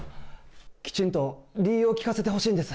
きちんと理由を聞かせてほしいんです。